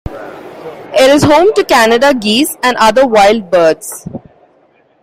It is home to Canada geese and other wild birds.